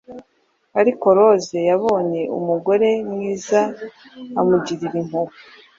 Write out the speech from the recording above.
Ariko Lose yabonye Umugore mwiza Amugirira impuhwe